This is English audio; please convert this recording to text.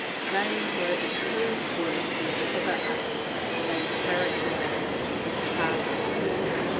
They were the truest words he had ever uttered; they characterised him, classed him.